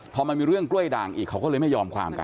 พอมันมีเรื่องกล้วยด่างอีกเขาก็เลยไม่ยอมความกัน